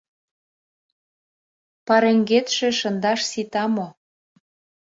Пареҥгетше шындаш сита мо?